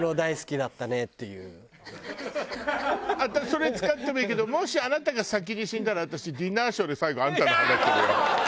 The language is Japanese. それ使ってもいいけどもしあなたが先に死んだら私ディナーショーで最後あんたの話するよ。